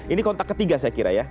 ini kontak ketiga saya kira ya